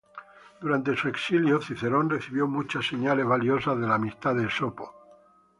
Durante su exilio, Cicerón recibió muchas señales valiosas de la amistad de Esopo.